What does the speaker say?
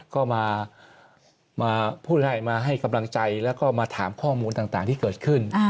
ก็มาพูดให้มาให้กำลังใจแล้วก็มาถามข้อมูลต่างที่เกิดขึ้น